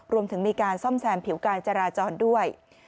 รวมถึงมีการซ่อมแซมผิวการจราจรด้วย